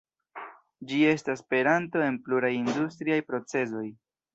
Ĝi estas peranto en pluraj industriaj procezoj.